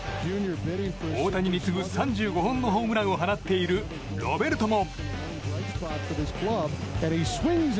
大谷に次ぐ３５本のホームランを放っている、ロベルトも。